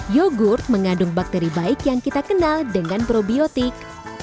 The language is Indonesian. yogurt mengandung bakteri baik yang kita kenal dengan probiotik